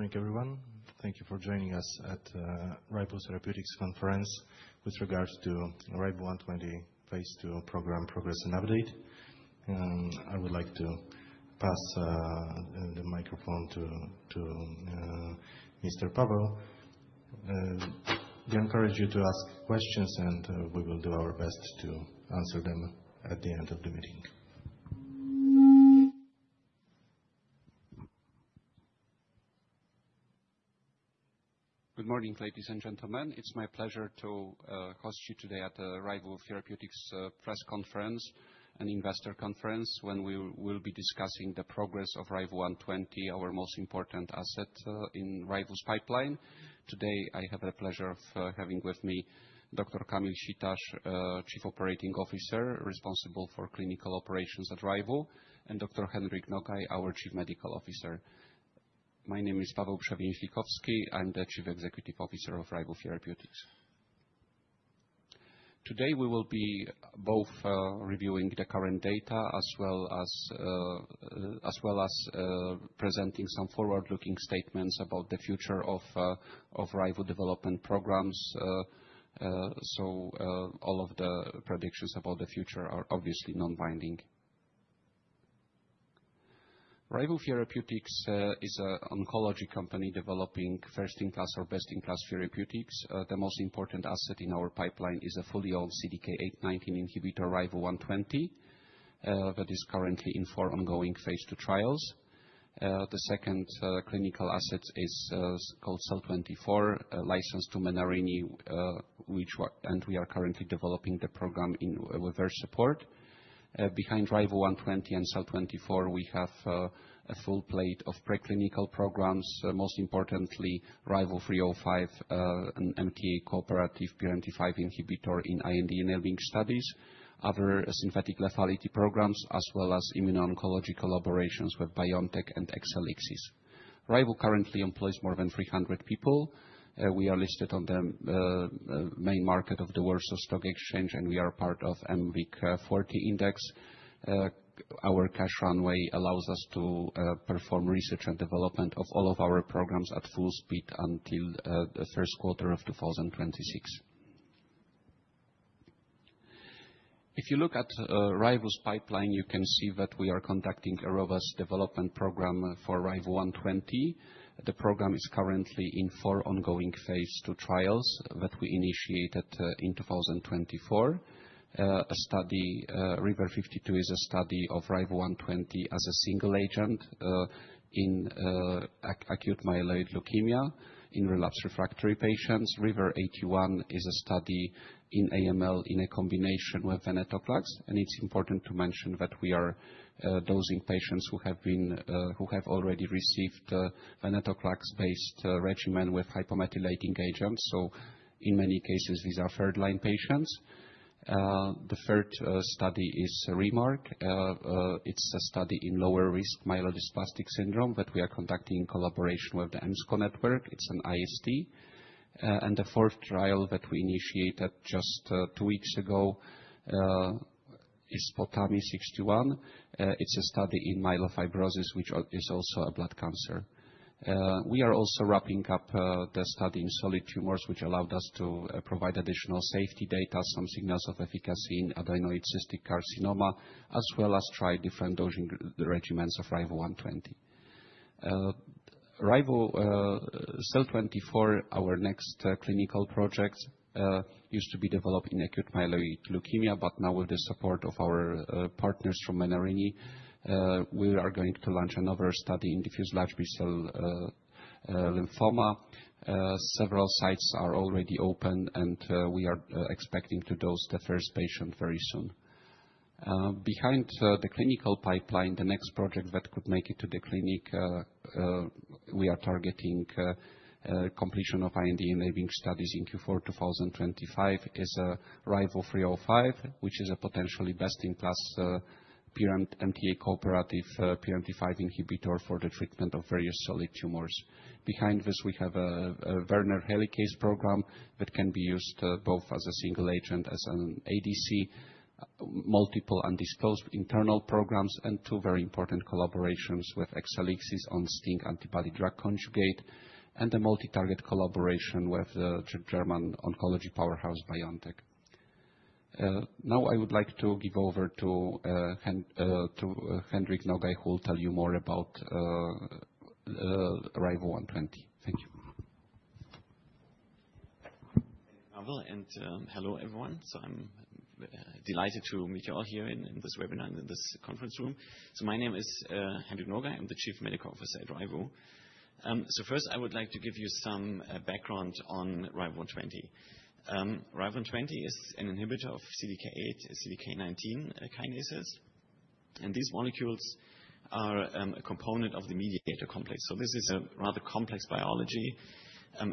Good morning, everyone. Thank you for joining us at the Ryvu Therapeutics conference with regards to RVU120 Phase II Program Progress and Update. I would like to pass the microphone to Mr. Paweł. We encourage you to ask questions, and we will do our best to answer them at the end of the meeting. Good morning, ladies and gentlemen. It's my pleasure to host you today at the Ryvu Therapeutics press conference, an investor conference, when we will be discussing the progress of RVU120, our most important asset in Ryvu's pipeline. Today, I have the pleasure of having with me Dr. Kamil Sitarz, Chief Operating Officer, responsible for clinical operations at Ryvu, and Dr. Hendrik Nogai, our Chief Medical Officer. My name is Paweł Przewięźlikowski. I'm the Chief Executive Officer of Ryvu Therapeutics. Today, we will be both reviewing the current data as well as presenting some forward-looking statements about the future of Ryvu development programs. So, all of the predictions about the future are obviously non-binding. Ryvu Therapeutics is an oncology company developing first-in-class or best-in-class therapeutics. The most important asset in our pipeline is a fully-owned CDK8/19 inhibitor, RVU120, that is currently in four ongoing Phase II trials. The second clinical asset is called SEL24, licensed to Menarini, and we are currently developing the program with their support. Behind RVU120 and SEL24, we have a full plate of preclinical programs, most importantly, RVU305, an MTA-cooperative PRMT5 inhibitor in IND enabling studies, other synthetic lethality programs, as well as immuno-oncology collaborations with BioNTech and Exelixis. Ryvu currently employs more than 300 people. We are listed on the main market of the Warsaw Stock Exchange, and we are part of the mWIG40 index. Our cash runway allows us to perform research and development of all of our programs at full speed until the first quarter of 2026. If you look at Ryvu's pipeline, you can see that we are conducting a robust development program for RVU120. The program is currently in four ongoing Phase II trials that we initiated in 2024. RIVER-52 is a study of RVU120 as a single agent in acute myeloid leukemia in relapsed refractory patients. RIVER-81 is a study in AML in a combination with venetoclax, and it's important to mention that we are dosing patients who have already received a venetoclax-based regimen with hypomethylating agents, so in many cases, these are third-line patients. The third study is REMARK. It's a study in lower-risk myelodysplastic syndrome that we are conducting in collaboration with the EMSCO network. It's an IST, and the fourth trial that we initiated just two weeks ago is POTAMI-61. It's a study in myelofibrosis, which is also a blood cancer. We are also wrapping up the study in solid tumors, which allowed us to provide additional safety data, some signals of efficacy in adenoid cystic carcinoma, as well as try different dosing regimens of RVU120. SEL24, our next clinical project, used to be developed in acute myeloid leukemia, but now, with the support of our partners from Menarini, we are going to launch another study in diffuse large B-cell lymphoma. Several sites are already open, and we are expecting to dose the first patient very soon. Behind the clinical pipeline, the next project that could make it to the clinic we are targeting completion of IND enabling studies in Q4 2025 is RVU305, which is a potentially best-in-class MTA-cooperative PRMT5 inhibitor for the treatment of various solid tumors. Behind this, we have a Werner helicase program that can be used both as a single agent, as an ADC, multiple undisclosed internal programs, and two very important collaborations with Exelixis on STING antibody-drug conjugate, and a multi-target collaboration with the German oncology powerhouse BioNTech. Now, I would like to give over to Hendrik Nogai, who will tell you more about RVU120. Thank you. Thank you. Hello, everyone. I'm delighted to meet you all here in this webinar and in this conference room. My name is Hendrik Nogai. I'm the Chief Medical Officer at Ryvu. First, I would like to give you some background on RVU120. RVU120 is an inhibitor of CDK8, CDK19 kinases. These molecules are a component of the mediator complex. This is a rather complex biology.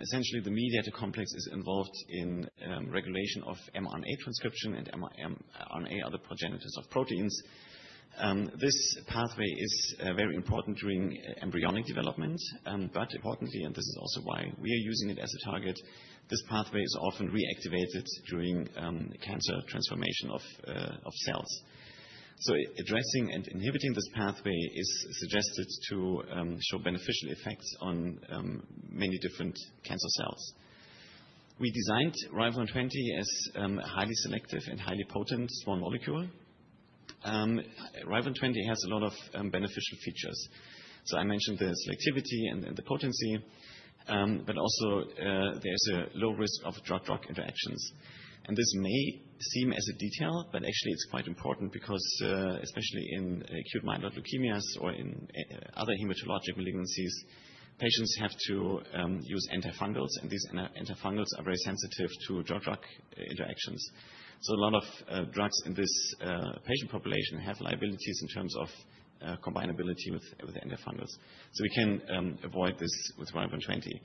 Essentially, the mediator complex is involved in regulation of mRNA transcription, and mRNA are the progenitors of proteins. This pathway is very important during embryonic development. Importantly, and this is also why we are using it as a target, this pathway is often reactivated during cancer transformation of cells. Addressing and inhibiting this pathway is suggested to show beneficial effects on many different cancer cells. We designed RVU120 as a highly selective and highly potent small molecule. RVU120 has a lot of beneficial features. So, I mentioned the selectivity and the potency, but also, there's a low risk of drug-drug interactions. And this may seem as a detail, but actually, it's quite important because, especially in acute myeloid leukemias or in other hematologic malignancies, patients have to use antifungals, and these antifungals are very sensitive to drug-drug interactions. So, a lot of drugs in this patient population have liabilities in terms of combinability with antifungals. So, we can avoid this with RVU120.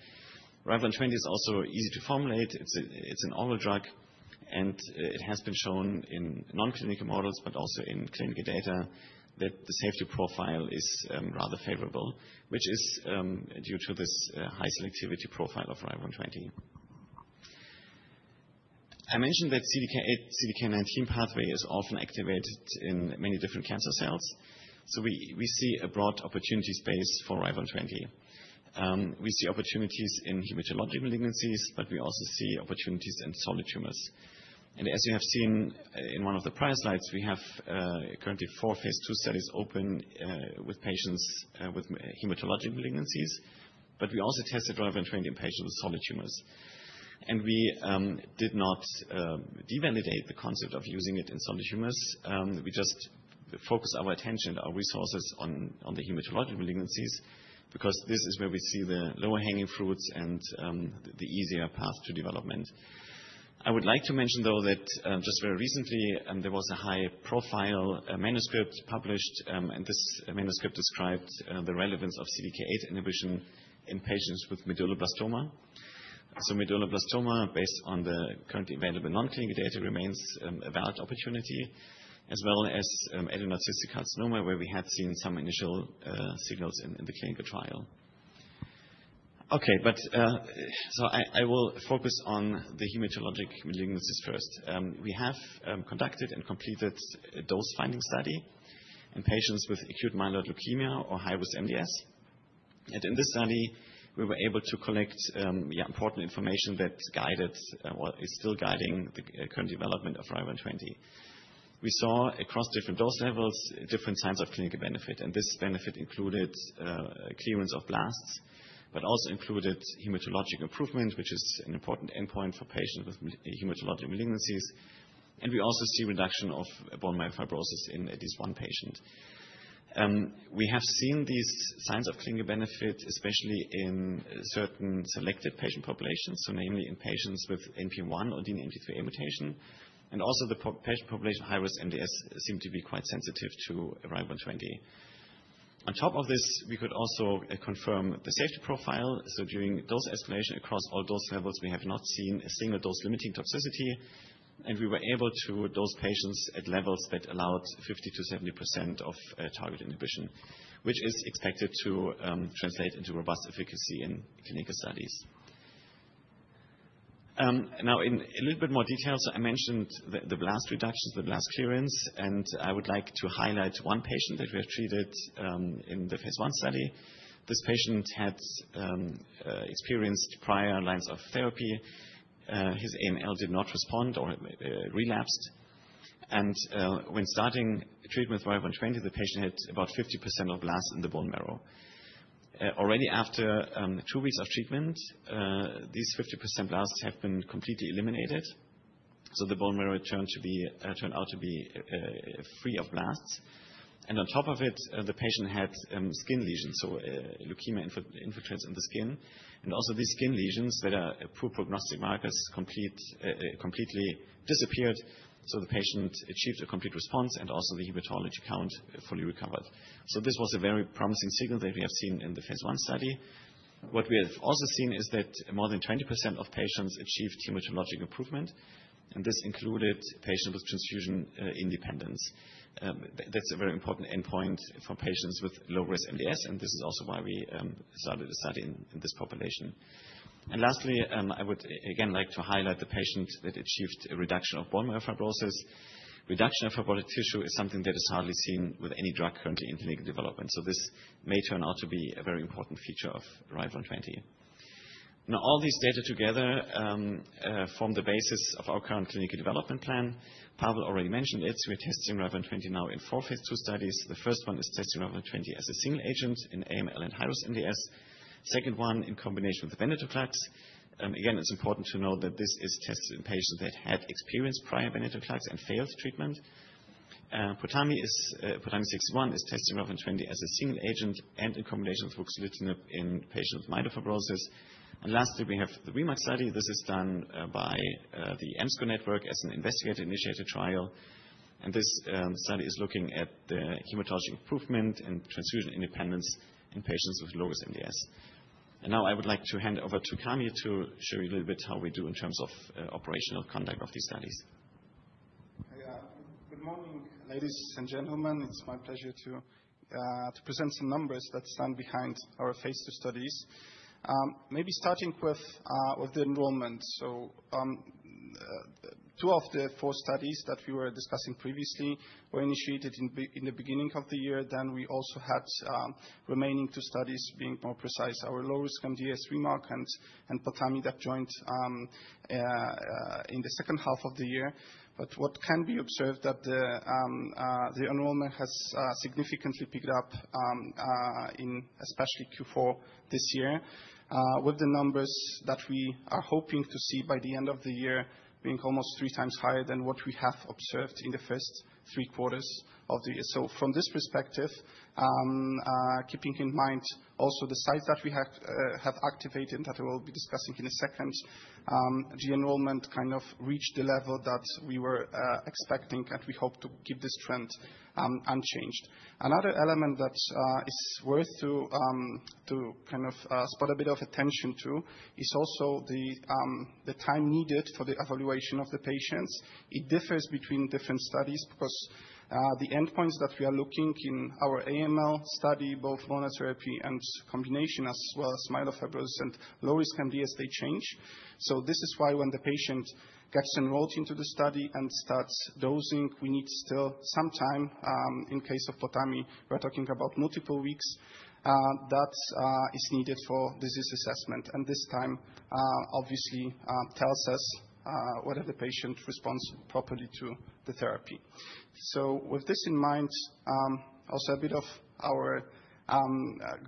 RVU120 is also easy to formulate. It's an oral drug, and it has been shown in non-clinical models, but also in clinical data, that the safety profile is rather favorable, which is due to this high selectivity profile of RVU120. I mentioned that CDK8, CDK19 pathway is often activated in many different cancer cells. So, we see a broad opportunity space for RVU120. We see opportunities in hematologic malignancies, but we also see opportunities in solid tumors. And as you have seen in one of the prior slides, we have currently four Phase II studies open with patients with hematologic malignancies, but we also tested RVU120 in patients with solid tumors. And we did not devalidate the concept of using it in solid tumors. We just focused our attention and our resources on the hematologic malignancies because this is where we see the lower-hanging fruits and the easier path to development. I would like to mention, though, that just very recently, there was a high-profile manuscript published, and this manuscript described the relevance of CDK8 inhibition in patients with medulloblastoma. Medulloblastoma, based on the currently available non-clinical data, remains a valid opportunity, as well as adenoid cystic carcinoma, where we had seen some initial signals in the clinical trial. Okay, but I will focus on the hematologic malignancies first. We have conducted and completed a dose-finding study in patients with acute myeloid leukemia or high-risk MDS. In this study, we were able to collect important information that guided what is still guiding the current development of RVU120. We saw, across different dose levels, different signs of clinical benefit. This benefit included clearance of blasts, but also included hematologic improvement, which is an important endpoint for patients with hematologic malignancies. We also see reduction of bone marrow fibrosis in at least one patient. We have seen these signs of clinical benefit, especially in certain selected patient populations, so namely in patients with NPM1 or DNMT3A mutation. Also, the patient population with high-risk MDS seemed to be quite sensitive to RVU120. On top of this, we could also confirm the safety profile. During dose escalation across all dose levels, we have not seen a single dose-limiting toxicity. We were able to dose patients at levels that allowed 50%-70% of target inhibition, which is expected to translate into robust efficacy in clinical studies. Now, in a little bit more detail, so I mentioned the blast reductions, the blast clearance, and I would like to highlight one patient that we have treated in the Phase I study. This patient had experienced prior lines of therapy. His AML did not respond or relapsed. When starting treatment with RVU120, the patient had about 50% of blasts in the bone marrow. Already, after two weeks of treatment, these 50% blasts have been completely eliminated. So, the bone marrow turned out to be free of blasts. And on top of it, the patient had skin lesions, so leukemia infiltrates in the skin. And also, these skin lesions that are poor prognostic markers completely disappeared. So, the patient achieved a complete response, and also, the hematologic count fully recovered. So, this was a very promising signal that we have seen in the Phase I study. What we have also seen is that more than 20% of patients achieved hematologic improvement. And this included patients with transfusion independence. That's a very important endpoint for patients with low-risk MDS, and this is also why we started a study in this population. And lastly, I would again like to highlight the patient that achieved a reduction of bone marrow fibrosis. Reduction of fibrotic tissue is something that is hardly seen with any drug currently in clinical development. This may turn out to be a very important feature of RVU120. Now, all these data together form the basis of our current clinical development plan. Paweł already mentioned it. We're testing RVU120 now in four Phase II studies. The first one is testing RVU120 as a single agent in AML and high-risk MDS. Second one, in combination with venetoclax. Again, it's important to know that this is tested in patients that had experienced prior venetoclax and failed treatment. POTAMI-61 is testing RVU120 as a single agent and in combination with ruxolitinib in patients with myelofibrosis. Lastly, we have the REMARK study. This is done by the EMSCO network as an investigator-initiated trial. This study is looking at the hematologic improvement and transfusion independence in patients with low-risk MDS. Now, I would like to hand over to Kamil to show you a little bit how we do in terms of operational conduct of these studies. Good morning, ladies and gentlemen. It's my pleasure to present some numbers that stand behind our Phase II studies. Maybe starting with the enrollment. So, two of the four studies that we were discussing previously were initiated in the beginning of the year. Then, we also had remaining two studies, being more precise, our low-risk MDS REMARK and POTAMI that joined in the second half of the year. But what can be observed is that the enrollment has significantly picked up, especially Q4 this year, with the numbers that we are hoping to see by the end of the year being almost three times higher than what we have observed in the first three quarters of the year. From this perspective, keeping in mind also the sites that we have activated, that I will be discussing in a second, the enrollment kind of reached the level that we were expecting, and we hope to keep this trend unchanged. Another element that is worth to kind of pay a bit of attention to is also the time needed for the evaluation of the patients. It differs between different studies because the endpoints that we are looking in our AML study, both monotherapy and combination, as well as myelofibrosis and low-risk MDS, they change. This is why when the patient gets enrolled into the study and starts dosing, we need still some time in case of POTAMI. We're talking about multiple weeks that is needed for disease assessment. And this time, obviously, tells us whether the patient responds properly to the therapy. With this in mind, also a bit of our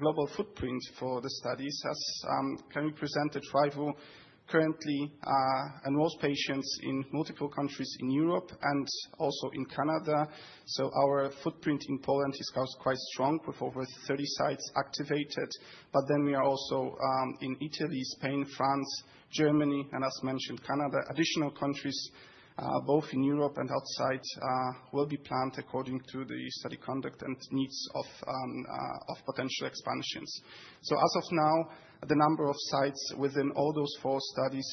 global footprint for the studies. As Kamil presented, Ryvu currently enrolls patients in multiple countries in Europe and also in Canada. Our footprint in Poland is quite strong, with over 30 sites activated. But then, we are also in Italy, Spain, France, Germany, and, as mentioned, Canada. Additional countries, both in Europe and outside, will be planned according to the study conduct and needs of potential expansions. As of now, the number of sites within all those four studies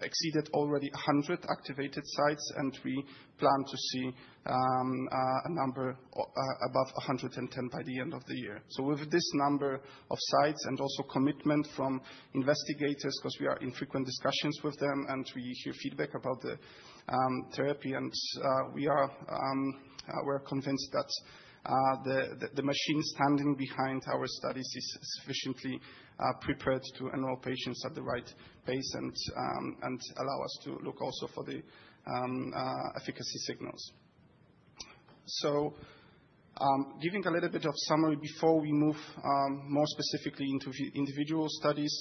exceeded already 100 activated sites, and we plan to see a number above 110 by the end of the year. With this number of sites and also commitment from investigators, because we are in frequent discussions with them and we hear feedback about the therapy, and we are convinced that the machine standing behind our studies is sufficiently prepared to enroll patients at the right pace and allow us to look also for the efficacy signals. Giving a little bit of summary before we move more specifically into individual studies,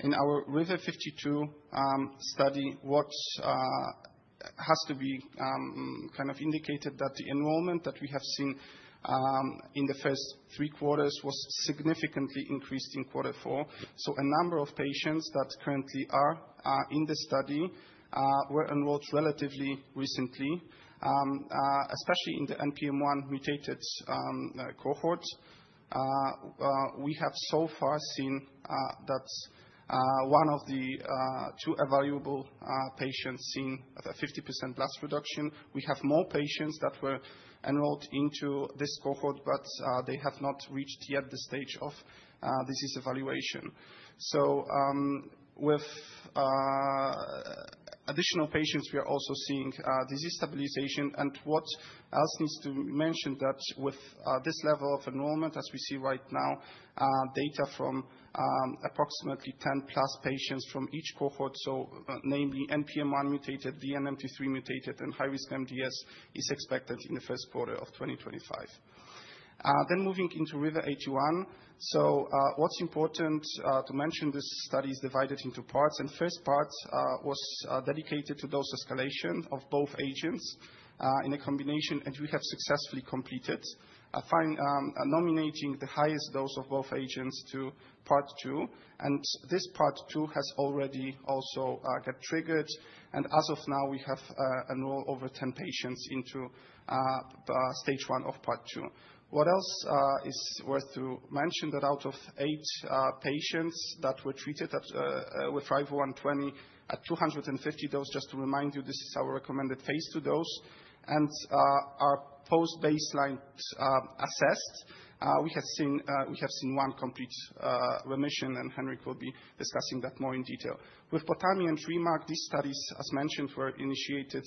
in our RIVER-52 study, what has to be kind of indicated is that the enrollment that we have seen in the first three quarters was significantly increased in quarter four. A number of patients that currently are in the study were enrolled relatively recently, especially in the NPM1 mutated cohort. We have so far seen that one of the two evaluable patients seen a 50% blast reduction. We have more patients that were enrolled into this cohort, but they have not reached yet the stage of disease evaluation. With additional patients, we are also seeing disease stabilization. What else needs to be mentioned is that with this level of enrollment, as we see right now, data from approximately 10 plus patients from each cohort, so namely NPM1 mutated, DNMT3A mutated, and high-risk MDS, is expected in the first quarter of 2025. Moving into RIVER-81, what's important to mention, this study is divided into parts. The first part was dedicated to dose escalation of both agents in a combination, and we have successfully completed nominating the highest dose of both agents to part two. This part two has already also got triggered. As of now, we have enrolled over 10 patients into stage one of part two. What else is worth to mention is that out of eight patients that were treated with RVU120 at 250 doses, just to remind you, this is our recommended Phase II dose. And our post-baseline assessed, we have seen one complete remission, and Hendrik will be discussing that more in detail. With POTAMI and REMARK, these studies, as mentioned, were initiated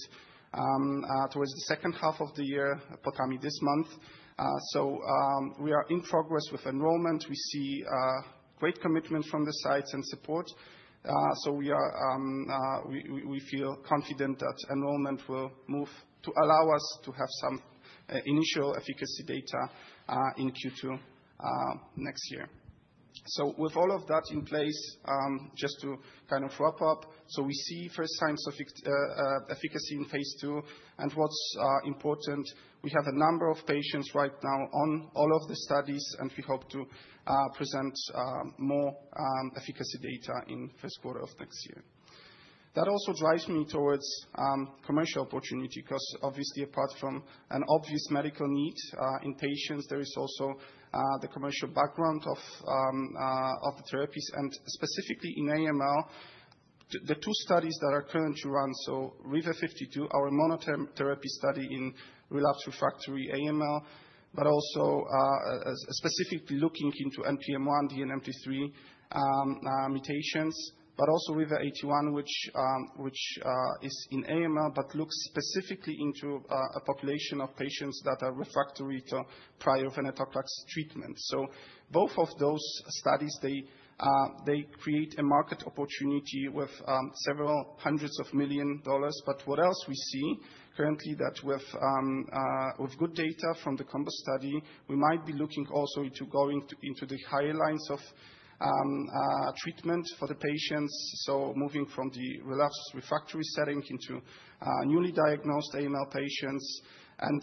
towards the second half of the year, POTAMI this month. So, we are in progress with enrollment. We see great commitment from the sites and support. So, we feel confident that enrollment will move to allow us to have some initial efficacy data in Q2 next year. So, with all of that in place, just to kind of wrap up, so we see first signs of efficacy in Phase II. What's important, we have a number of patients right now on all of the studies, and we hope to present more efficacy data in the first quarter of next year. That also drives me towards commercial opportunity because, obviously, apart from an obvious medical need in patients, there is also the commercial background of the therapies. Specifically in AML, the two studies that are currently run, so RIVER-52, our monotherapy study in relapse refractory AML, but also specifically looking into NPM1, DNMT3A mutations, but also RIVER-81, which is in AML but looks specifically into a population of patients that are refractory to prior venetoclax treatment. So, both of those studies, they create a market opportunity with several hundred million dollars. But what else we see currently is that with good data from the combo study, we might be looking also into going into the higher lines of treatment for the patients, so moving from the relapse refractory setting into newly diagnosed AML patients. And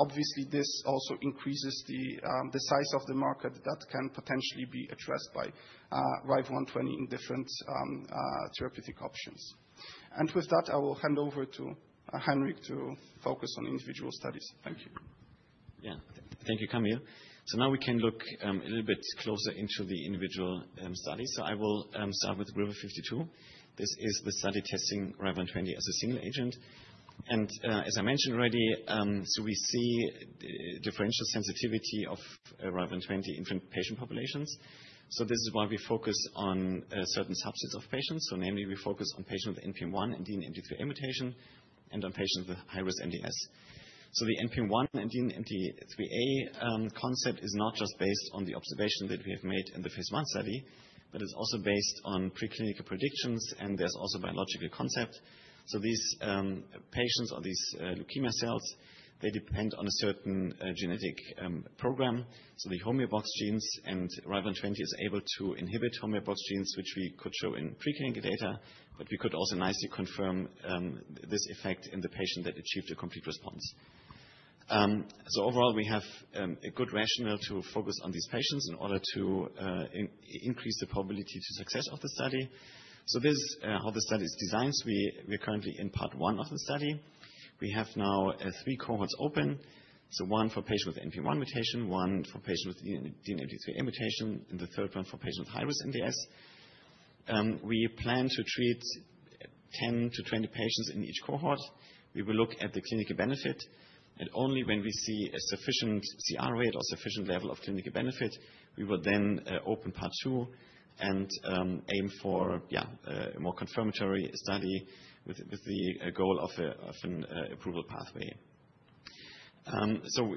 obviously, this also increases the size of the market that can potentially be addressed by RVU120 in different therapeutic options. And with that, I will hand over to Hendrik to focus on individual studies. Thank you. Yeah. Thank you, Kamil. So now we can look a little bit closer into the individual studies. So I will start with RIVER-52. This is the study testing RVU120 as a single agent. And as I mentioned already, so we see differential sensitivity of RVU120 in different patient populations. So this is why we focus on certain subsets of patients. So namely, we focus on patients with NPM1 and DNMT3A mutation and on patients with high-risk MDS. So the NPM1 and DNMT3A concept is not just based on the observation that we have made in the Phase II study, but it's also based on preclinical predictions, and there's also biological concept. So these patients or these leukemia cells, they depend on a certain genetic program. The homeobox genes and RVU120 is able to inhibit homeobox genes, which we could show in preclinical data, but we could also nicely confirm this effect in the patient that achieved a complete response. Overall, we have a good rationale to focus on these patients in order to increase the probability to success of the study. This is how the study is designed. We are currently in part one of the study. We have now three cohorts open. One for patients with NPM1 mutation, one for patients with DNMT3A mutation, and the third one for patients with high-risk MDS. We plan to treat 10-20 patients in each cohort. We will look at the clinical benefit. Only when we see a sufficient CR rate or sufficient level of clinical benefit, we will then open part two and aim for, yeah, a more confirmatory study with the goal of an approval pathway.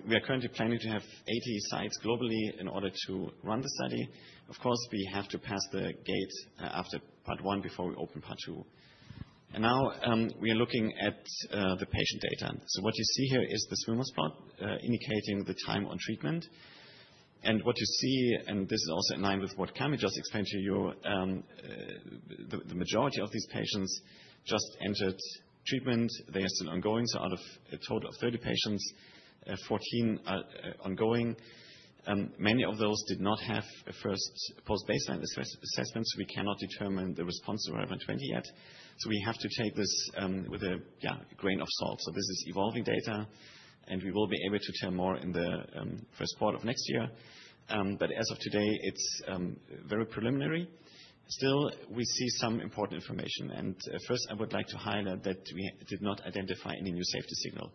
We are currently planning to have 80 sites globally in order to run the study. Of course, we have to pass the gate after part one before we open part two. Now we are looking at the patient data. What you see here is the swimmers plot indicating the time on treatment. What you see, and this is also in line with what Kamil just explained to you, the majority of these patients just entered treatment. They are still ongoing. Out of a total of 30 patients, 14 are ongoing. Many of those did not have a first post-baseline assessment, so we cannot determine the response to RVU120 yet. So we have to take this with a grain of salt. So this is evolving data, and we will be able to tell more in the first quarter of next year. But as of today, it's very preliminary. Still, we see some important information. And first, I would like to highlight that we did not identify any new safety signal.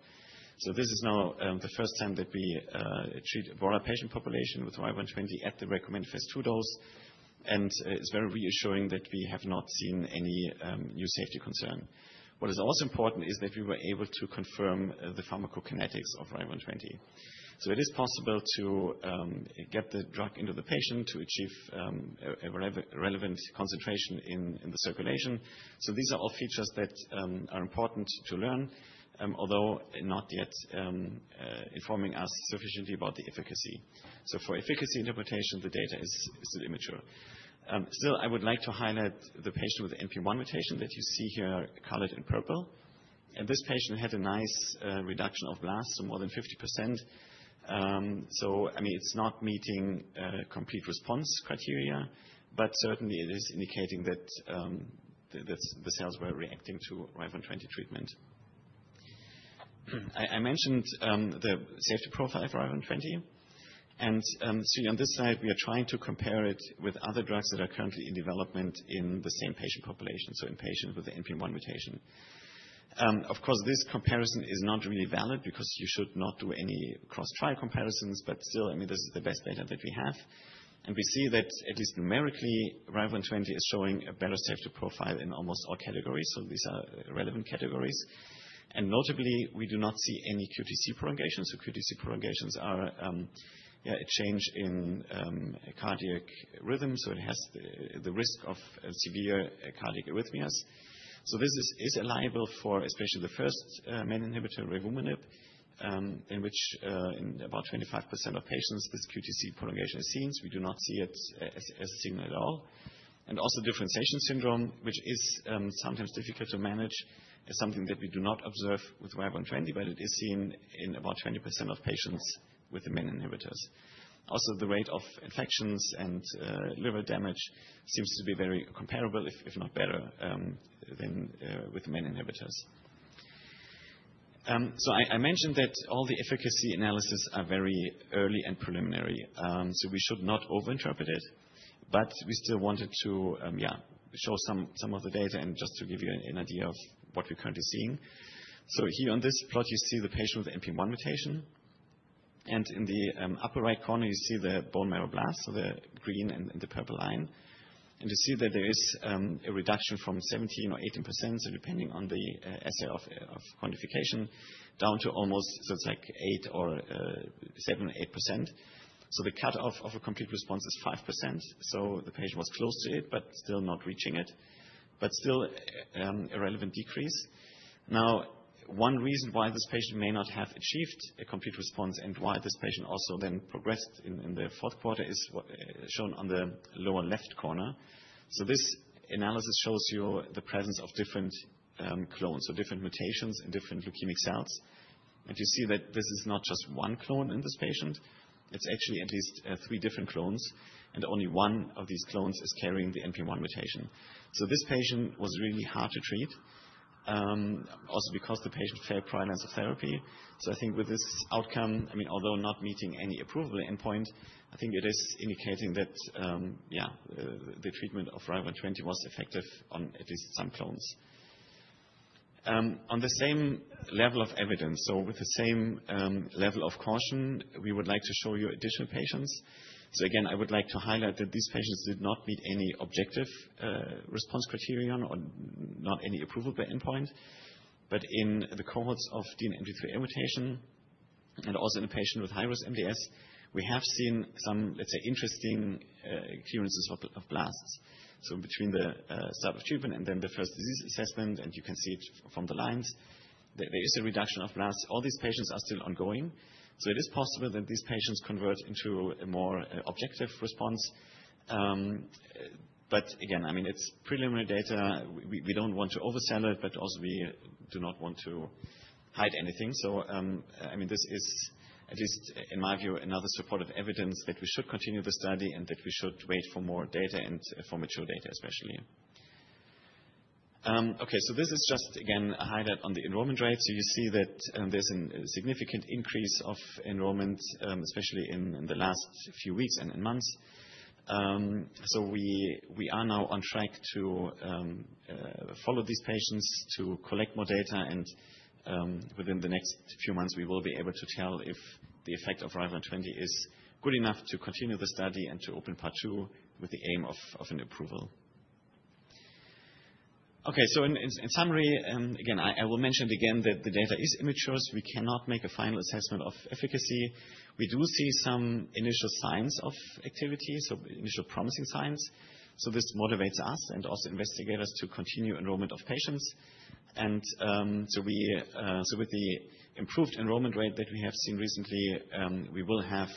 So this is now the first time that we treat a broader patient population with RVU120 at the recommended Phase II dose. And it's very reassuring that we have not seen any new safety concern. What is also important is that we were able to confirm the pharmacokinetics of RVU120. It is possible to get the drug into the patient to achieve a relevant concentration in the circulation. These are all features that are important to learn, although not yet informing us sufficiently about the efficacy. For efficacy interpretation, the data is still immature. Still, I would like to highlight the patient with NPM1 mutation that you see here colored in purple. This patient had a nice reduction of blasts to more than 50%. So, I mean, it's not meeting complete response criteria, but certainly, it is indicating that the cells were reacting to RVU120 treatment. I mentioned the safety profile for RVU120. Seeing on this side, we are trying to compare it with other drugs that are currently in development in the same patient population, so in patients with the NPM1 mutation. Of course, this comparison is not really valid because you should not do any cross-trial comparisons. But still, I mean, this is the best data that we have. And we see that at least numerically, RVU120 is showing a better safety profile in almost all categories. So these are relevant categories. And notably, we do not see any QTc prolongation. So QTc prolongations are, yeah, a change in cardiac rhythm. So it has the risk of severe cardiac arrhythmias. So this is a liability for, especially the first menin inhibitor, revumenib, in which about 25% of patients this QTc prolongation is seen. We do not see it as a signal at all. And also differentiation syndrome, which is sometimes difficult to manage, is something that we do not observe with RVU120, but it is seen in about 20% of patients with the menin inhibitors. Also, the rate of infections and liver damage seems to be very comparable, if not better, than with the menin inhibitors. So I mentioned that all the efficacy analyses are very early and preliminary. So we should not over-interpret it. But we still wanted to, yeah, show some of the data and just to give you an idea of what we're currently seeing. So here on this plot, you see the patient with NPM1 mutation. And in the upper right corner, you see the bone marrow blast, so the green and the purple line. And you see that there is a reduction from 17% or 18%. So depending on the assay of quantification, down to almost, so it's like 8% or 7% or 8%. So the cutoff of a complete response is 5%. So the patient was close to it, but still not reaching it, but still a relevant decrease. Now, one reason why this patient may not have achieved a complete response and why this patient also then progressed in the fourth quarter is shown on the lower left corner, so this analysis shows you the presence of different clones, so different mutations in different leukemic cells, and you see that this is not just one clone in this patient. It's actually at least three different clones, and only one of these clones is carrying the NPM1 mutation. So this patient was really hard to treat, also because the patient failed prior lines of therapy, so I think with this outcome, I mean, although not meeting any approval endpoint, I think it is indicating that, yeah, the treatment of RVU120 was effective on at least some clones. On the same level of evidence, so with the same level of caution, we would like to show you additional patients. So again, I would like to highlight that these patients did not meet any objective response criterion or not any approval by endpoint. But in the cohorts of DNMT3A mutation and also in a patient with high-risk MDS, we have seen some, let's say, interesting clearances of blasts. So between the start of treatment and then the first disease assessment, and you can see it from the lines, there is a reduction of blasts. All these patients are still ongoing. So it is possible that these patients convert into a more objective response. But again, I mean, it's preliminary data. We don't want to oversell it, but also we do not want to hide anything. So, I mean, this is, at least in my view, another support of evidence that we should continue the study and that we should wait for more data and for mature data, especially. Okay. This is just, again, a highlight on the enrollment rate. You see that there's a significant increase of enrollment, especially in the last few weeks and months. We are now on track to follow these patients to collect more data. And within the next few months, we will be able to tell if the effect of RVU120 is good enough to continue the study and to open part two with the aim of an approval. Okay. In summary, again, I will mention again that the data is immature. We cannot make a final assessment of efficacy. We do see some initial signs of activity, so initial promising signs. This motivates us and also investigators to continue enrollment of patients. And so with the improved enrollment rate that we have seen recently, we will have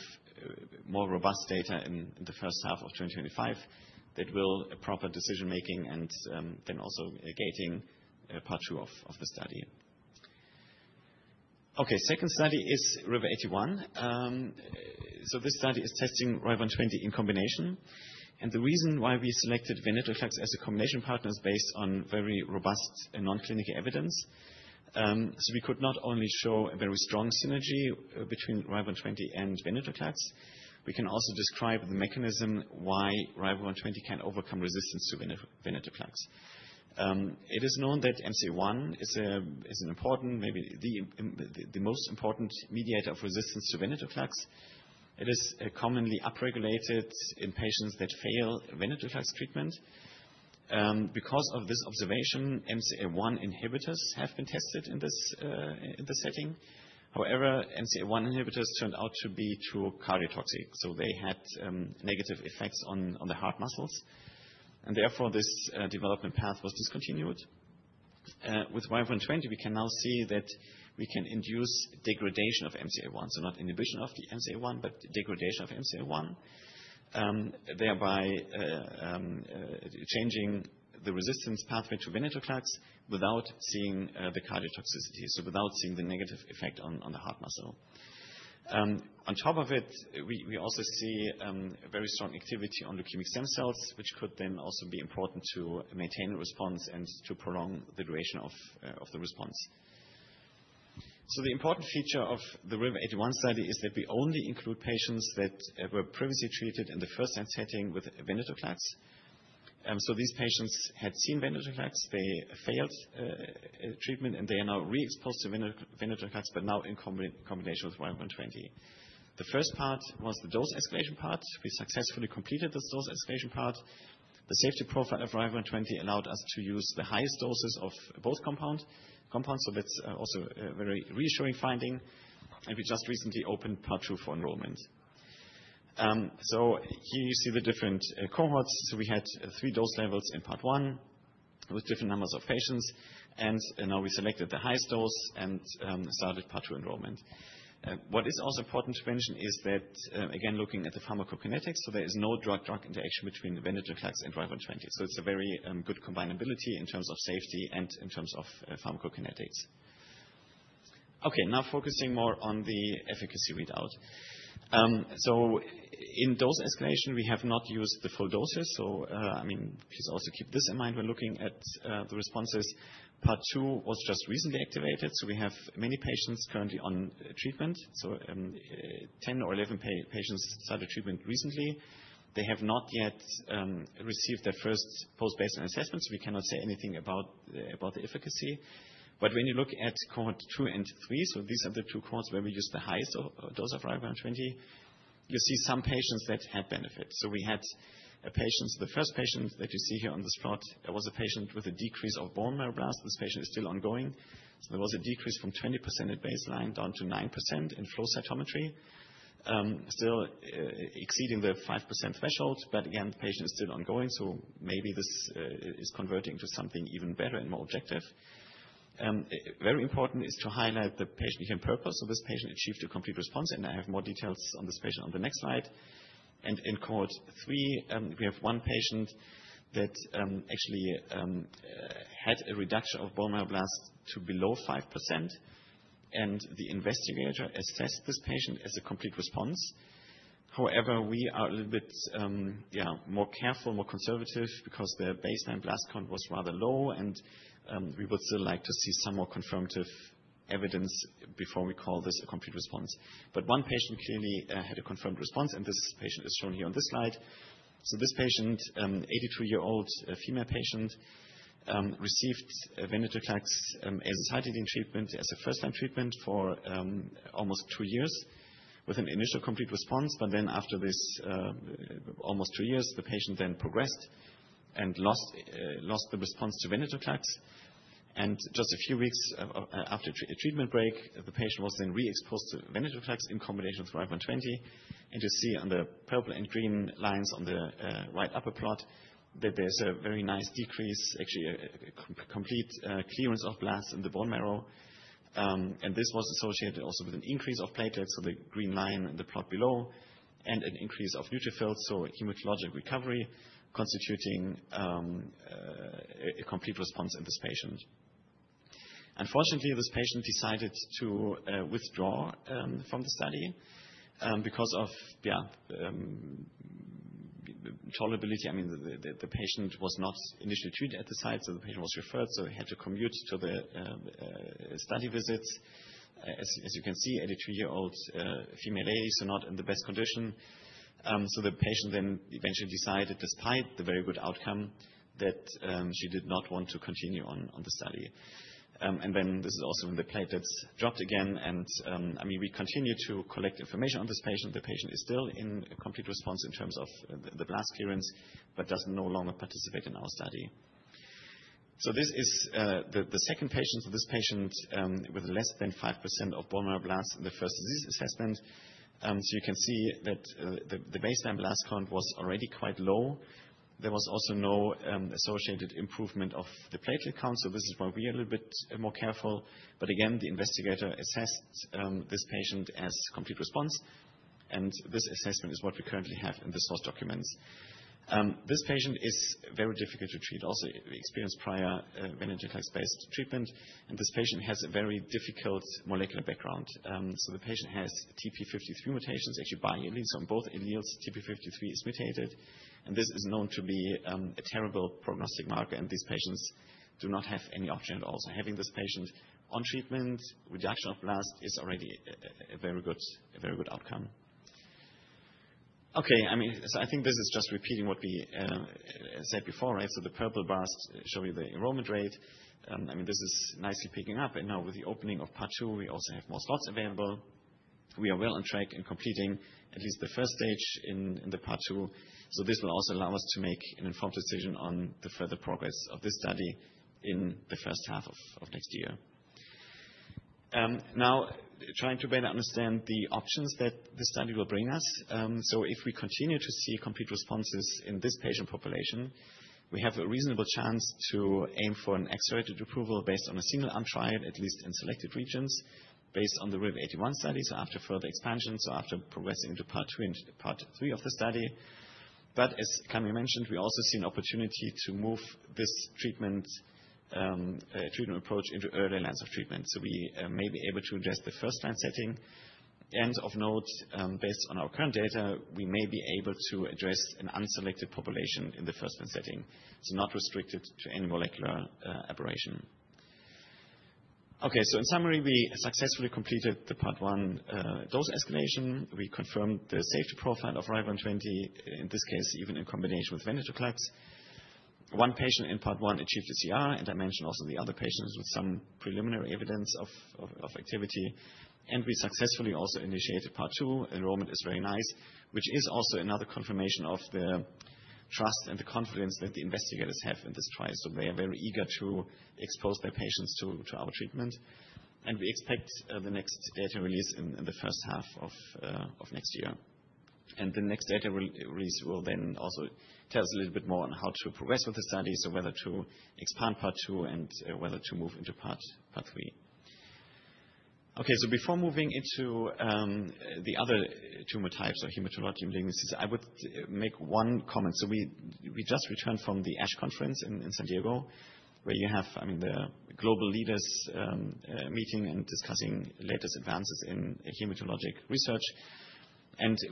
more robust data in the first half of 2025 that will proper decision-making and then also gating part two of the study. Okay. Second study is RIVER-81. So this study is testing RVU120 in combination. And the reason why we selected venetoclax as a combination partner is based on very robust non-clinical evidence. So we could not only show a very strong synergy between RVU120 and venetoclax, we can also describe the mechanism why RVU120 can overcome resistance to venetoclax. It is known that MCL-1 is an important, maybe the most important mediator of resistance to venetoclax. It is commonly upregulated in patients that fail venetoclax treatment. Because of this observation, MCL-1 inhibitors have been tested in this setting. However, MCL-1 inhibitors turned out to be truly cardiotoxic. They had negative effects on the heart muscles. Therefore, this development path was discontinued. With RVU120, we can now see that we can induce degradation of MCL-1, so not inhibition of the MCL-1, but degradation of MCL-1, thereby changing the resistance pathway to venetoclax without seeing the cardiotoxicity, so without seeing the negative effect on the heart muscle. On top of it, we also see very strong activity on leukemic stem cells, which could then also be important to maintain a response and to prolong the duration of the response. The important feature of the RIVER-81 study is that we only include patients that were previously treated in the first-line setting with venetoclax. These patients had seen venetoclax, they failed treatment, and they are now re-exposed to venetoclax, but now in combination with RVU120. The first part was the dose escalation part. We successfully completed this dose escalation part. The safety profile of RVU120 allowed us to use the highest doses of both compounds. So that's also a very reassuring finding. And we just recently opened part two for enrollment. So here you see the different cohorts. So we had three dose levels in part one with different numbers of patients. And now we selected the highest dose and started part two enrollment. What is also important to mention is that, again, looking at the pharmacokinetics, so there is no drug-drug interaction between venetoclax and RVU120. So it's a very good combinability in terms of safety and in terms of pharmacokinetics. Okay. Now focusing more on the efficacy readout. So in dose escalation, we have not used the full doses. So, I mean, please also keep this in mind when looking at the responses. Part two was just recently activated. We have many patients currently on treatment. Ten or 11 patients started treatment recently. They have not yet received their first post-baseline assessment. We cannot say anything about the efficacy. But when you look at cohort two and three, these are the two cohorts where we used the highest dose of RVU120, you see some patients that had benefits. We had a patient, the first patient that you see here on this plot, there was a patient with a decrease of bone marrow blast. This patient is still ongoing. There was a decrease from 20% at baseline down to 9% in flow cytometry, still exceeding the 5% threshold. But again, the patient is still ongoing. Maybe this is converting to something even better and more objective. Very important is to highlight the patient here in purpose. So this patient achieved a complete response. And I have more details on this patient on the next slide. And in cohort three, we have one patient that actually had a reduction of bone marrow blast to below 5%. And the investigator assessed this patient as a complete response. However, we are a little bit, yeah, more careful, more conservative because the baseline blast count was rather low. And we would still like to see some more confirmative evidence before we call this a complete response. But one patient clearly had a confirmed response. And this patient is shown here on this slide. So this patient, 82-year-old female patient, received venetoclax as a second-line treatment as a first-line treatment for almost two years with an initial complete response. But then after this almost two years, the patient then progressed and lost the response to venetoclax. Just a few weeks after a treatment break, the patient was then re-exposed to venetoclax in combination with RVU120. You see on the purple and green lines on the right upper plot that there's a very nice decrease, actually a complete clearance of blasts in the bone marrow. This was associated also with an increase of platelets, so the green line in the plot below, and an increase of neutrophils, so hematologic recovery constituting a complete response in this patient. Unfortunately, this patient decided to withdraw from the study because of, yeah, tolerability. I mean, the patient was not initially treated at the site, so the patient was referred. He had to commute to the study visits. As you can see, 82-year-old female lady, so not in the best condition. The patient then eventually decided, despite the very good outcome, that she did not want to continue on the study. And then this is also when the platelets dropped again. And I mean, we continue to collect information on this patient. The patient is still in complete response in terms of the blast clearance, but does no longer participate in our study. This is the second patient. This patient with less than 5% of bone marrow blasts in the first disease assessment. You can see that the baseline blast count was already quite low. There was also no associated improvement of the platelet count. This is why we are a little bit more careful. But again, the investigator assessed this patient as complete response. And this assessment is what we currently have in the source documents. This patient is very difficult to treat. Also, we experienced prior venetoclax-based treatment. This patient has a very difficult molecular background. The patient has TP53 mutations, actually biallelic. On both alleles, TP53 is mutated. This is known to be a terrible prognostic marker. These patients do not have any option at all. Having this patient on treatment, reduction of blast is already a very good outcome. Okay. I mean, so I think this is just repeating what we said before, right? The purple line showing the enrollment rate. I mean, this is nicely picking up. Now with the opening of part two, we also have more slots available. We are well on track in completing at least the first stage in the part two. This will also allow us to make an informed decision on the further progress of this study in the first half of next year. Now, trying to better understand the options that this study will bring us. If we continue to see complete responses in this patient population, we have a reasonable chance to aim for an accelerated approval based on a single-arm trial, at least in selected regions, based on the RIVER-81 study, so after further expansion, so after progressing into part two and part three of the study. But as Kamil mentioned, we also see an opportunity to move this treatment approach into early lines of treatment. We may be able to address the first-line setting. And of note, based on our current data, we may be able to address an unselected population in the first-line setting, so not restricted to any molecular aberration. Okay. In summary, we successfully completed the part one dose escalation. We confirmed the safety profile of RVU120, in this case, even in combination with venetoclax. One patient in part one achieved a CR, and I mentioned also the other patients with some preliminary evidence of activity, and we successfully also initiated part two. Enrollment is very nice, which is also another confirmation of the trust and the confidence that the investigators have in this trial, so they are very eager to expose their patients to our treatment, and we expect the next data release in the first half of next year, and the next data release will then also tell us a little bit more on how to progress with the study, so whether to expand part two and whether to move into part three. Okay, so before moving into the other tumor types or hematologic malignancies, I would make one comment. We just returned from the ASH conference in San Diego, where you have, I mean, the global leaders meeting and discussing latest advances in hematologic research.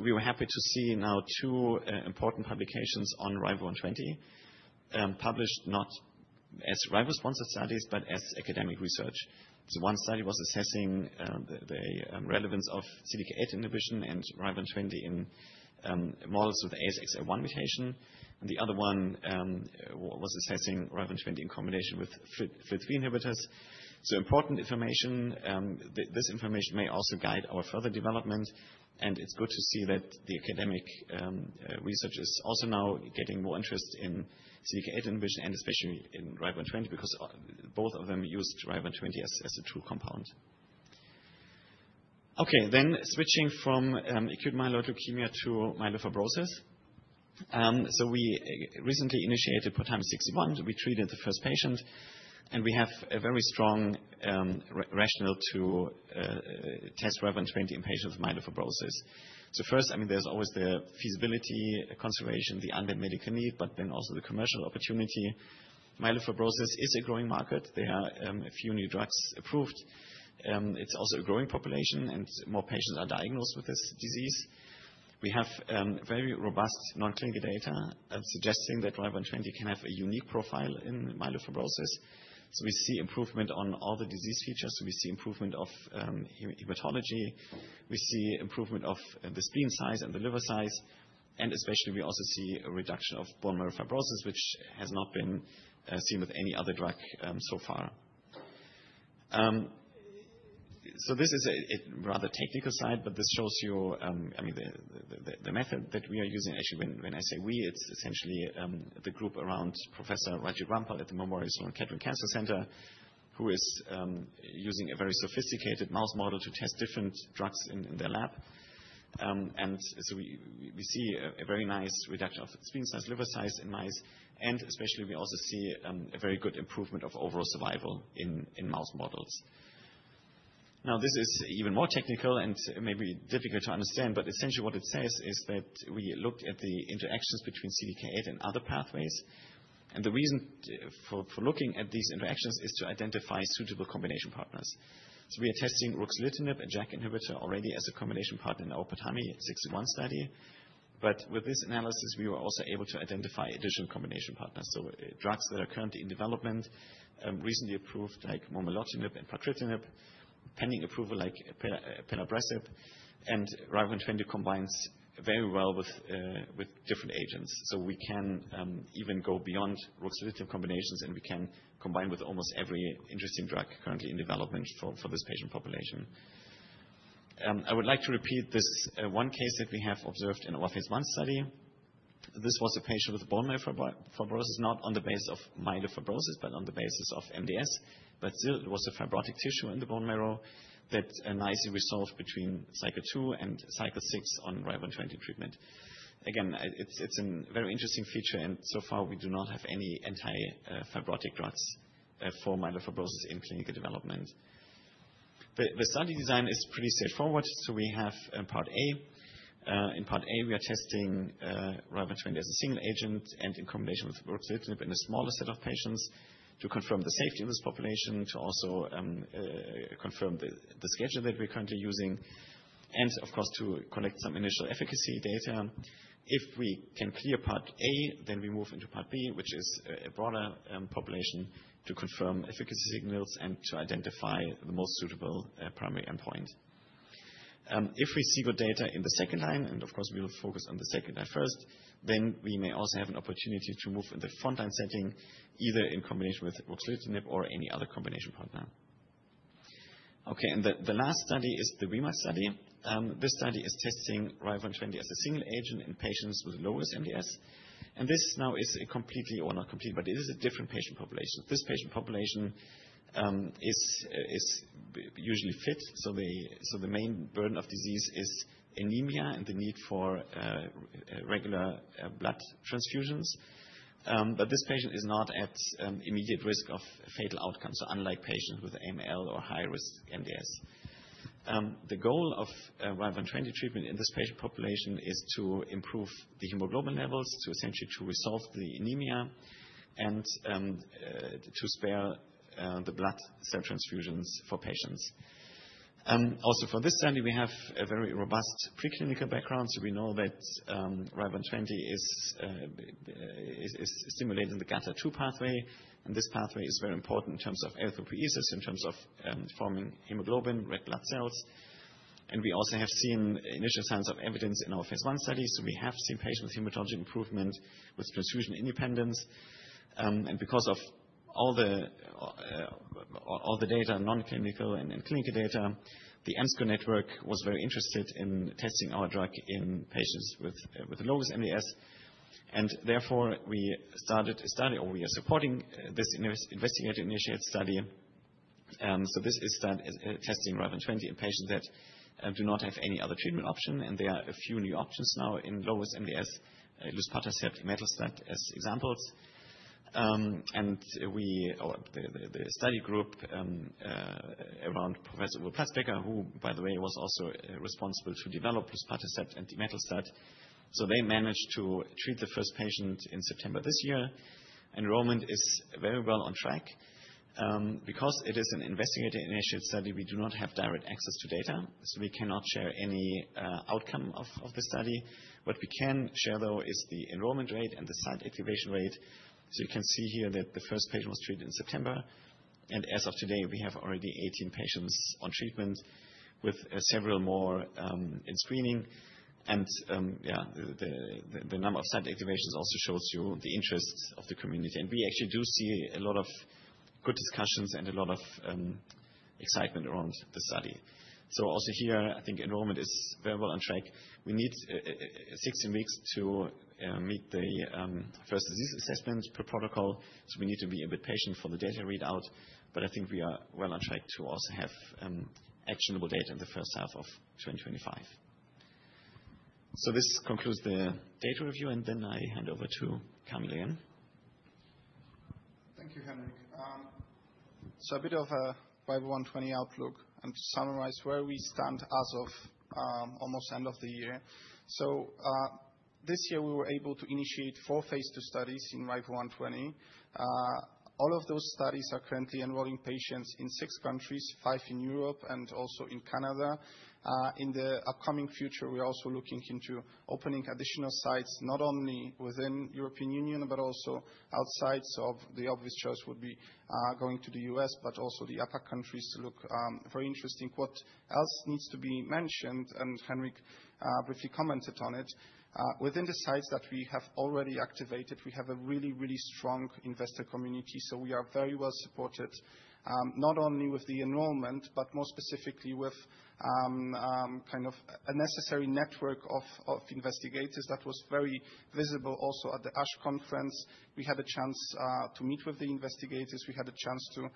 We were happy to see now two important publications on RVU120 published not as RVU-sponsored studies, but as academic research. One study was assessing the relevance of CDK8 inhibition and RVU120 in models with ASXL1 mutation. The other one was assessing RVU120 in combination with FLT3 inhibitors. Important information. This information may also guide our further development. It is good to see that the academic research is also now getting more interest in CDK8 inhibition and especially in RVU120 because both of them used RVU120 as a tool compound. Okay. Switching from acute myeloid leukemia to myelofibrosis. We recently initiated POTAMI-61. We treated the first patient. We have a very strong rationale to test RVU120 in patients with myelofibrosis. First, I mean, there's always the feasibility consideration, the unmet medical need, but then also the commercial opportunity. Myelofibrosis is a growing market. There are a few new drugs approved. It's also a growing population, and more patients are diagnosed with this disease. We have very robust non-clinical data suggesting that RVU120 can have a unique profile in myelofibrosis. We see improvement on all the disease features. We see improvement of hematology. We see improvement of the spleen size and the liver size. Especially, we also see a reduction of bone marrow fibrosis, which has not been seen with any other drug so far. This is a rather technical side, but this shows you, I mean, the method that we are using. Actually, when I say we, it's essentially the group around Professor Raajit Rampal at the Memorial Sloan Kettering Cancer Center, who is using a very sophisticated mouse model to test different drugs in their lab. And so we see a very nice reduction of spleen size, liver size in mice. And especially, we also see a very good improvement of overall survival in mouse models. Now, this is even more technical and maybe difficult to understand. But essentially, what it says is that we looked at the interactions between CDK8 and other pathways. And the reason for looking at these interactions is to identify suitable combination partners. So we are testing ruxolitinib, a JAK inhibitor, already as a combination partner in our POTAMI-61 study. But with this analysis, we were also able to identify additional combination partners. So drugs that are currently in development, recently approved, like momelotinib and pacritinib, pending approval, like pelabresib. And RVU120 combines very well with different agents. So we can even go beyond ruxolitinib combinations, and we can combine with almost every interesting drug currently in development for this patient population. I would like to repeat this one case that we have observed in our Phase I study. This was a patient with bone marrow fibrosis, not on the basis of myelofibrosis, but on the basis of MDS. But still, it was a fibrotic tissue in the bone marrow that nicely resolved between cycle two and cycle six on RVU120 treatment. Again, it's a very interesting feature. And so far, we do not have any anti-fibrotic drugs for myelofibrosis in clinical development. The study design is pretty straightforward. So we have part A. In part A, we are testing RVU120 as a single agent and in combination with ruxolitinib in a smaller set of patients to confirm the safety of this population, to also confirm the schedule that we're currently using, and of course, to collect some initial efficacy data. If we can clear part A, then we move into part B, which is a broader population to confirm efficacy signals and to identify the most suitable primary endpoint. If we see good data in the second line, and of course, we will focus on the second line first, then we may also have an opportunity to move in the front-line setting, either in combination with ruxolitinib or any other combination partner. Okay. And the last study is the REMARK study. This study is testing RVU120 as a single agent in patients with low-risk MDS. This now is a completely or not completely, but it is a different patient population. This patient population is usually fit. The main burden of disease is anemia and the need for regular blood transfusions. This patient is not at immediate risk of fatal outcomes, so unlike patients with AML or high-risk MDS. The goal of RVU120 treatment in this patient population is to improve the hemoglobin levels, to essentially resolve the anemia, and to spare the blood cell transfusions for patients. For this study, we have a very robust preclinical background. We know that RVU120 is stimulating the GATA2 pathway. This pathway is very important in terms of erythropoiesis, in terms of forming hemoglobin, red blood cells. We also have seen initial signs of evidence in our Phase II studies. So we have seen patients with hematologic improvement with transfusion independence. And because of all the data, non-clinical and clinical data, the EMSCO network was very interested in testing our drug in patients with the lowest MDS. And therefore, we started a study, or we are supporting this investigator-initiated study. So this is testing RVU120 in patients that do not have any other treatment option. And there are a few new options now in lowest MDS, luspatercept and imetelstat as examples. And the study group around Professor Uwe Platzbecker, who, by the way, was also responsible to develop luspatercept and the imetelstat, so they managed to treat the first patient in September this year. Enrollment is very well on track. Because it is an investigator-initiated study, we do not have direct access to data. So we cannot share any outcome of the study. What we can share, though, is the enrollment rate and the site activation rate. So you can see here that the first patient was treated in September. And as of today, we have already 18 patients on treatment with several more in screening. And yeah, the number of site activations also shows you the interest of the community. And we actually do see a lot of good discussions and a lot of excitement around the study. So also here, I think enrollment is very well on track. We need 16 weeks to meet the first disease assessment per protocol. So we need to be a bit patient for the data readout. But I think we are well on track to also have actionable data in the first half of 2025. So this concludes the data review. And then I hand over to Kamil again. Thank you, Hendrik. A bit of a RVU120 outlook. To summarize where we stand as of almost the end of the year. This year, we were able to initiate four Phase II studies in RVU120. All of those studies are currently enrolling patients in six countries, five in Europe, and also in Canada. In the upcoming future, we are also looking into opening additional sites, not only within the European Union, but also outside. The obvious choice would be going to the U.S., but also the other countries to look very interesting. What else needs to be mentioned, and Hendrik briefly commented on it. Within the sites that we have already activated, we have a really, really strong investor community. We are very well supported, not only with the enrollment, but more specifically with kind of a necessary network of investigators that was very visible also at the ASH conference. We had a chance to meet with the investigators. We had a chance to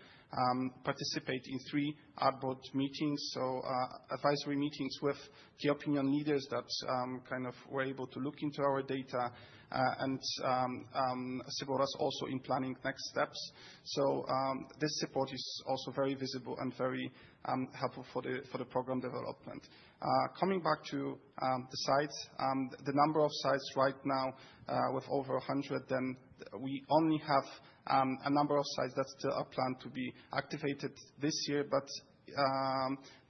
participate in three advisory board meetings, so advisory meetings with key opinion leaders that kind of were able to look into our data and support us also in planning next steps. So this support is also very visible and very helpful for the program development. Coming back to the sites, the number of sites right now, we have over 100. Then we only have a number of sites that still are planned to be activated this year. But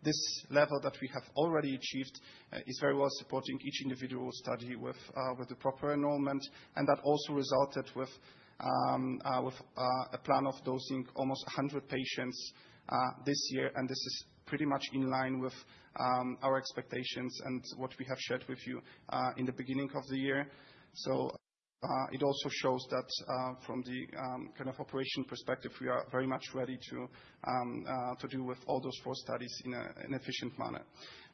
this level that we have already achieved is very well supporting each individual study with the proper enrollment. And that also resulted with a plan of dosing almost 100 patients this year. And this is pretty much in line with our expectations and what we have shared with you in the beginning of the year. So it also shows that from the kind of operation perspective, we are very much ready to deal with all those four studies in an efficient manner.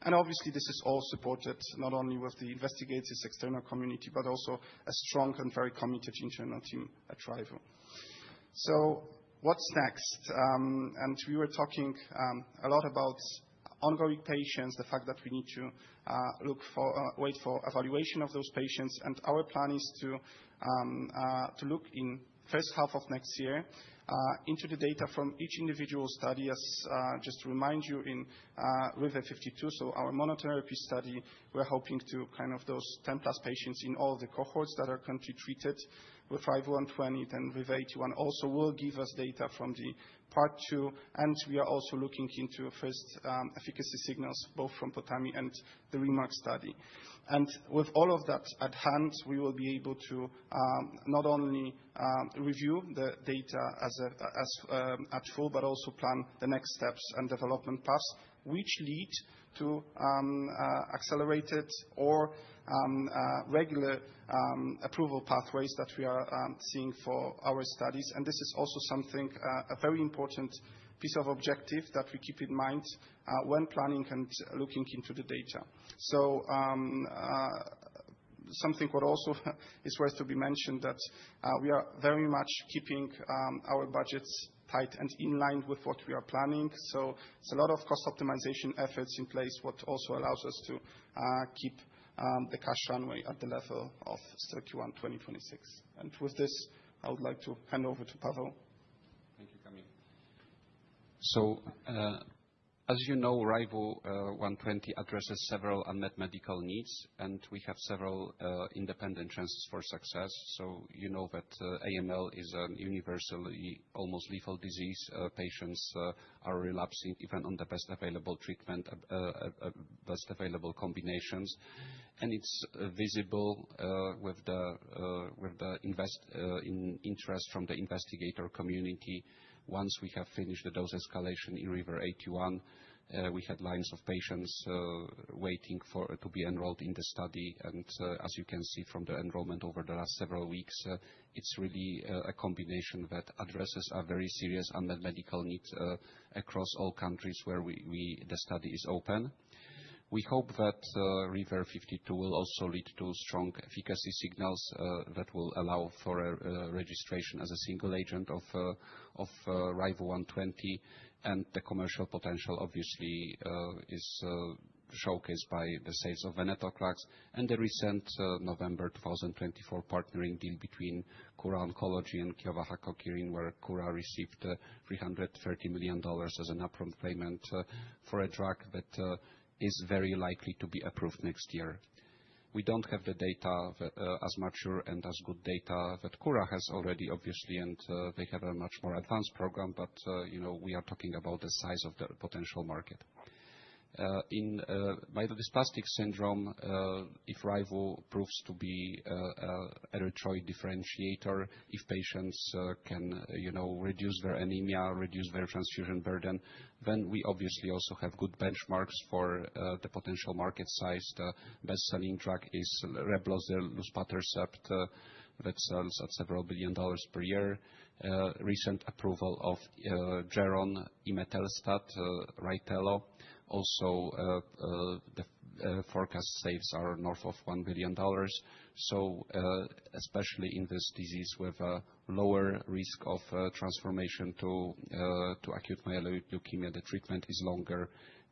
And obviously, this is all supported not only with the investigators, external community, but also a strong and very committed internal team at Ryvu. So what's next? And we were talking a lot about ongoing patients, the fact that we need to wait for evaluation of those patients. And our plan is to look in the first half of next year into the data from each individual study. Just to remind you, in RIVER-52, so our monotherapy study, we're hoping to kind of those 10-plus patients in all the cohorts that are currently treated with RVU120, then RIVER-81 also will give us data from the part two. And we are also looking into first efficacy signals, both from POTAMI and the REMARK study. And with all of that at hand, we will be able to not only review the data at full, but also plan the next steps and development paths, which lead to accelerated or regular approval pathways that we are seeing for our studies. And this is also something, a very important piece of objective that we keep in mind when planning and looking into the data. So something that also is worth to be mentioned that we are very much keeping our budgets tight and in line with what we are planning. It's a lot of cost optimization efforts in place, what also allows us to keep the cash runway at the level of Q1 2026. With this, I would like to hand over to Paweł. Thank you, Kamil. So as you know, RVU120 addresses several unmet medical needs. And we have several independent chances for success. So you know that AML is a universally, almost lethal disease. Patients are relapsing even on the best available treatment, best available combinations. And it's visible with the interest from the investigator community. Once we have finished the dose escalation in RIVER-81, we had lines of patients waiting to be enrolled in the study. And as you can see from the enrollment over the last several weeks, it's really a combination that addresses very serious unmet medical needs across all countries where the study is open. We hope that RIVER-52 will also lead to strong efficacy signals that will allow for registration as a single agent of RVU120. The commercial potential, obviously, is showcased by the sales of venetoclax and the recent November 2024 partnering deal between Kura Oncology and Kyowa Kirin, where Kura received $330 million as an upfront payment for a drug that is very likely to be approved next year. We don't have the data as mature and as good data that Kura has already, obviously, and they have a much more advanced program. But we are talking about the size of the potential market. In myelodysplastic syndrome, if Ryvu proves to be an erythroid differentiator, if patients can reduce their anemia, reduce their transfusion burden, then we obviously also have good benchmarks for the potential market size. The best-selling drug is Reblozyl, luspatercept, that sells at several billion dollars per year. Recent approval of Geron imetelstat, Rytelo. Also, the forecast sales are north of $1 billion. Especially in this disease with a lower risk of transformation to acute myeloid leukemia, the treatment is longer.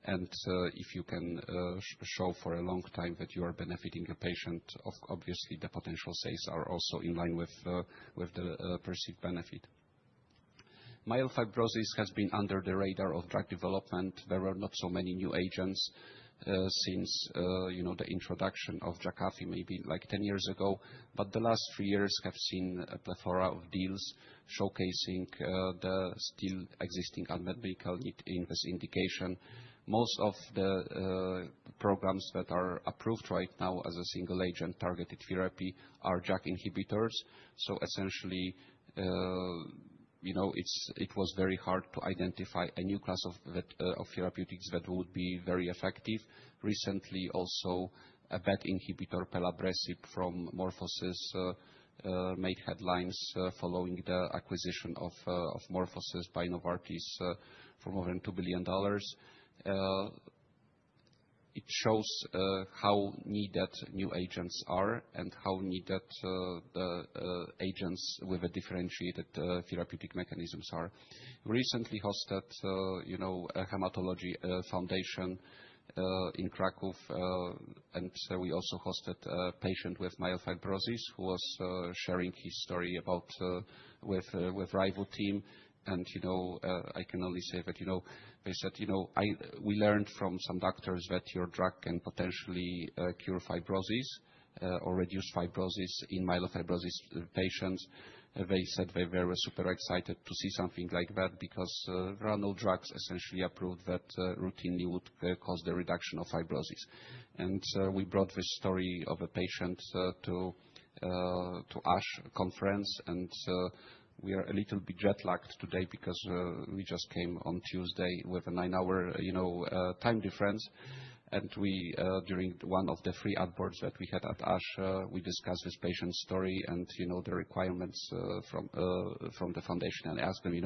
If you can show for a long time that you are benefiting a patient, obviously, the potential savings are also in line with the perceived benefit. Myelofibrosis has been under the radar of drug development. There were not so many new agents since the introduction of Jakafi, maybe like 10 years ago. The last three years have seen a plethora of deals showcasing the still existing unmet medical need in this indication. Most of the programs that are approved right now as a single agent targeted therapy are JAK inhibitors. Essentially, it was very hard to identify a new class of therapeutics that would be very effective. Recently, also a BET inhibitor, pelabresib from MorphoSys, made headlines following the acquisition of MorphoSys by Novartis for more than $2 billion. It shows how needed new agents are and how needed agents with differentiated therapeutic mechanisms are. We recently hosted a hematology foundation in Kraków, and we also hosted a patient with myelofibrosis who was sharing his story with Ryvu team. And I can only say that they said, "We learned from some doctors that your drug can potentially cure fibrosis or reduce fibrosis in myelofibrosis patients." They said they were super excited to see something like that because there are no drugs essentially approved that routinely would cause the reduction of fibrosis, and we brought this story of a patient to ASH conference. And we are a little bit jetlagged today because we just came on Tuesday with a nine-hour time difference. During one of the three advisory boards that we had at ASH, we discussed this patient's story and the requirements from the foundation. I asked them,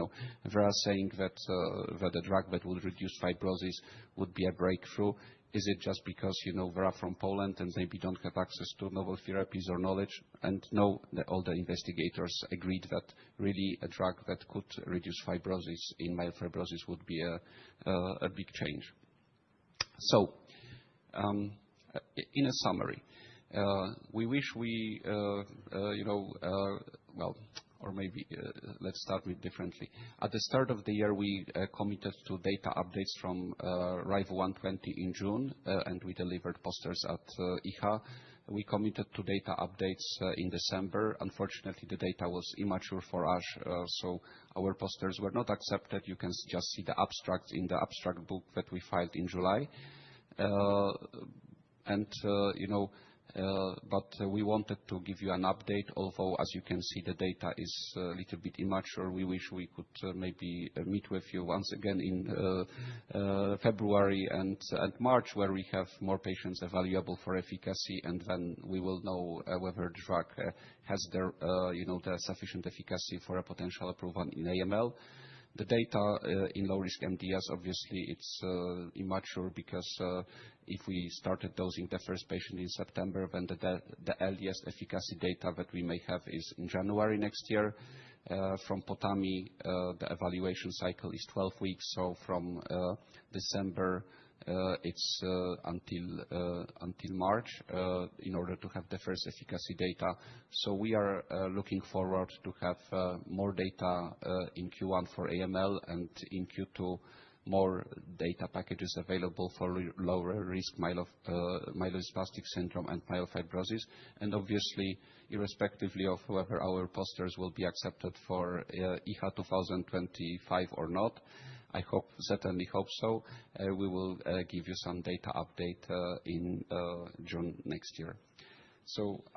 "Vera is saying that the drug that would reduce fibrosis would be a breakthrough. Is it just because Vera is from Poland and maybe doesn't have access to novel therapies or knowledge?" No, all the investigators agreed that really a drug that could reduce fibrosis in myelofibrosis would be a big change. In summary, we wish you well, or maybe let's start differently. At the start of the year, we committed to data updates from RVU120 in June. We delivered posters at EHA. We committed to data updates in December. Unfortunately, the data was immature for ASH. Our posters were not accepted. You can just see the abstract in the abstract book that we filed in July. But we wanted to give you an update. Although as you can see, the data is a little bit immature, we wish we could maybe meet with you once again in February and March, where we have more patients available for efficacy. And then we will know whether the drug has the sufficient efficacy for a potential approval in AML. The data in low-risk MDS, obviously, it's immature because if we started dosing the first patient in September, then the earliest efficacy data that we may have is in January next year. From the time, the evaluation cycle is 12 weeks. So from December, it's until March in order to have the first efficacy data. We are looking forward to have more data in Q1 for AML and in Q2, more data packages available for lower-risk myelodysplastic syndrome and myelofibrosis. Obviously, irrespectively of whether our posters will be accepted for EHA 2025 or not, I certainly hope so, we will give you some data update in June next year.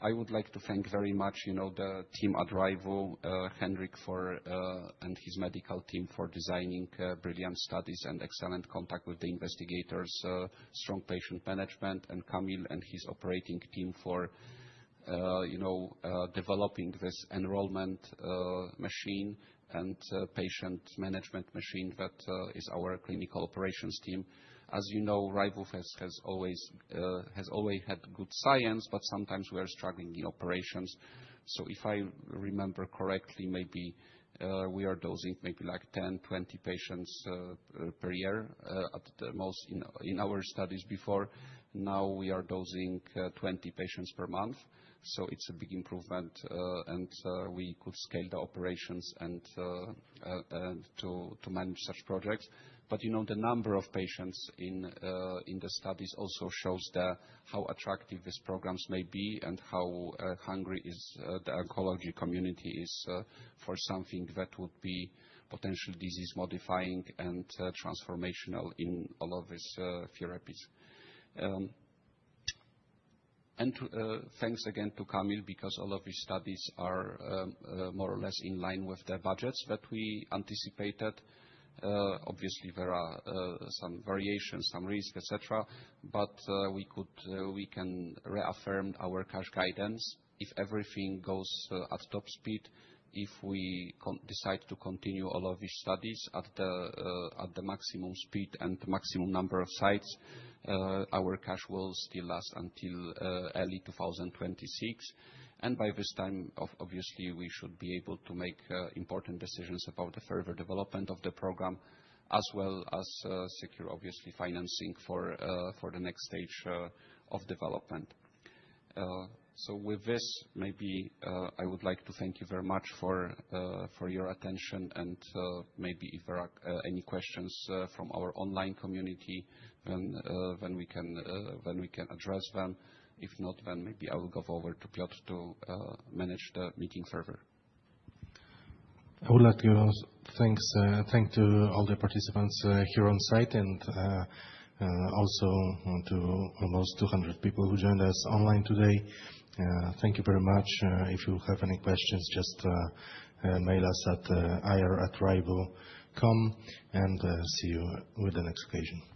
I would like to thank very much the team at Ryvu, Hendrik and his medical team for designing brilliant studies and excellent contact with the investigators, strong patient management, and Kamil and his operating team for developing this enrollment machine and patient management machine that is our clinical operations team. As you know, Ryvu has always had good science, but sometimes we are struggling in operations. If I remember correctly, maybe we are dosing maybe like 10-20 patients per year at the most in our studies before. Now we are dosing 20 patients per month. So it's a big improvement. And we could scale the operations and to manage such projects. But the number of patients in the studies also shows how attractive these programs may be and how hungry the oncology community is for something that would be potentially disease-modifying and transformational in all of these therapies. And thanks again to Kamil because all of these studies are more or less in line with their budgets that we anticipated. Obviously, there are some variations, some risks, etc. But we can reaffirm our cash guidance. If everything goes at top speed, if we decide to continue all of these studies at the maximum speed and maximum number of sites, our cash will still last until early 2026. And by this time, obviously, we should be able to make important decisions about the further development of the program, as well as secure, obviously, financing for the next stage of development. So with this, maybe I would like to thank you very much for your attention. And maybe if there are any questions from our online community, then we can address them. If not, then maybe I will go over to Piotr to manage the meeting further. I would like to give a thanks to all the participants here on site and also to almost 200 people who joined us online today. Thank you very much. If you have any questions, just mail us at ir@ryvu.com, and see you with the next occasion.